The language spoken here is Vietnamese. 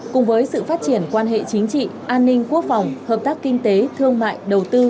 cùng với sự phát triển quan hệ chính trị an ninh quốc phòng hợp tác kinh tế thương mại đầu tư